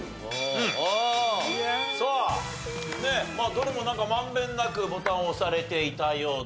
どれもなんか満遍なくボタンを押されていたようで。